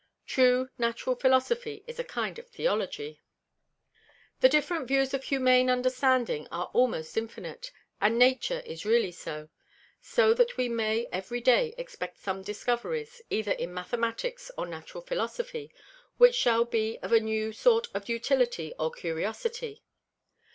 True Natural Philosophy is a kind of Theology. The different views of Humane Understanding are almost infinite; and Nature is really so. So that we may every day expect some Discoveries, either in Mathematicks or Natural Philosophy, which shall be of a new sort of Utility or Curiosity.